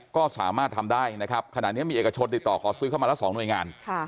ก็สามารถทำได้นะครับขณะนี้มีเอกชนติดต่อขอซื้อเข้ามาละ๒หน่วยงาน